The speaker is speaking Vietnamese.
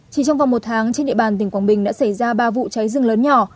chỉ trong vòng một tháng trên địa bàn tỉnh quảng bình đã xảy ra ba vụ cháy rừng lớn nhỏ